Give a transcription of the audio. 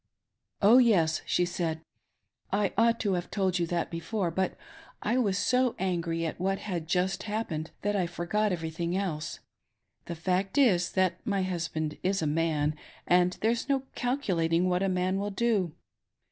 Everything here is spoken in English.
" Oh yes," she said, " I ought to have told you that before, but I was so angry at what had just happened that I forgot every thing else. The fact is, my husband is a man, and there's no calculating what a man will do.